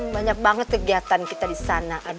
banyak banget kegiatan kita disana